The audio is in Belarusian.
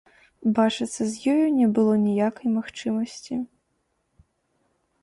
Бачыцца з ёю не было ніякай магчымасці.